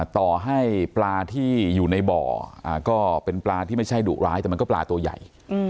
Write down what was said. ต่อให้ปลาที่อยู่ในบ่อก็เป็นปลาที่ไม่ใช่ดุร้ายแต่มันก็ปลาตัวใหญ่